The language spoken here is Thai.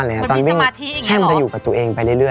มันมีสมาธิอย่างนี้เหรอใช่มันจะอยู่กับตัวเองไปเรื่อย